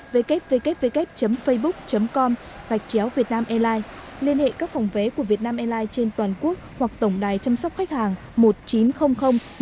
www facebook com vietnamairlines liên hệ các phòng vé của vietnam airlines trên toàn quốc hoặc tổng đài chăm sóc khách hàng một nghìn chín trăm linh một nghìn một trăm linh